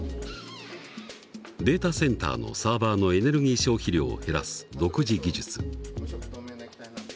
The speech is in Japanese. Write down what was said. データセンターのサーバーのエネルギー消費量を減らす独自技術。